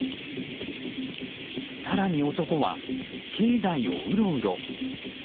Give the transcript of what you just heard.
更に男は、境内をうろうろ。